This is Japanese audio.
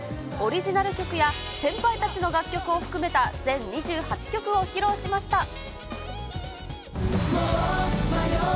オリジナル曲や先輩たちの楽曲を含めた全２８曲を披露しました。